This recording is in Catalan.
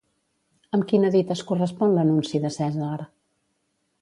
Amb quina dita es correspon l'anunci de Cèsar?